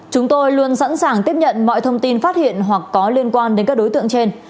chúng tôi luôn sẵn sàng tiếp nhận mọi thông tin phát hiện hoặc có liên quan đến các đối tượng trên